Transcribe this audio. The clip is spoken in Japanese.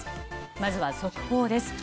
まずは速報です。